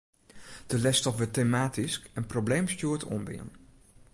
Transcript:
De lesstof wurdt tematysk en probleemstjoerd oanbean.